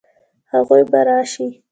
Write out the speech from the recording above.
هغوی به راشي؟